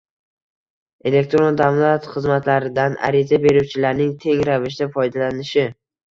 elektron davlat xizmatlaridan ariza beruvchilarning teng ravishda foydalanishi;